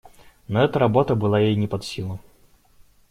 Но эта работа была ей не под силу.